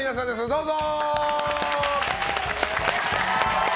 どうぞ！